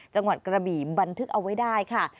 จังหวัดกระบี่บันทึกเอาไว้ได้ค่ะ